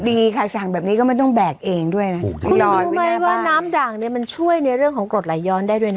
ดีค่ะสั่งแบบนี้ก็ไม่ต้องแบกเองด้วยนะคุณรู้ไหมว่าน้ำด่างเนี่ยมันช่วยในเรื่องของกรดไหลย้อนได้ด้วยนะ